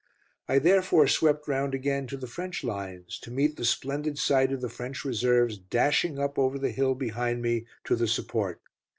I therefore swept round again to the French lines, to meet the splendid sight of the French reserves dashing up over the hill behind me to the support.